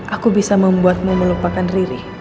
aku bisa membuatmu melupakan riri